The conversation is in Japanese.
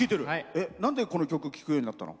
なんでこの曲聴くようになったの？